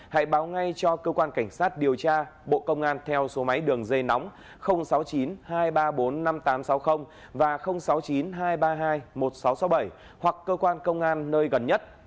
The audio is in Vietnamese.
hãy báo ngay cho cơ quan cảnh sát điều tra bộ công an theo số máy đường dây nóng sáu mươi chín hai trăm ba mươi bốn năm nghìn tám trăm sáu mươi và sáu mươi chín hai trăm ba mươi hai một nghìn sáu trăm sáu mươi bảy hoặc cơ quan công an nơi gần nhất